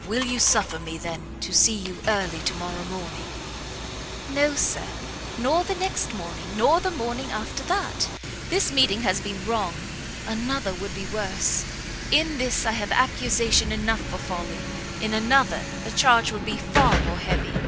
"Will you suffer me, then, to see you early to morrow morning?" "No, Sir; nor the next morning, nor the morning after that! This meeting has been wrong, another would be worse; in this I have accusation enough for folly, in another the charge would be far more heavy."